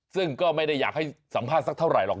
ซึ่งก็ไม่ได้อยากให้สัมภาษณ์สักเท่าไหรหรอก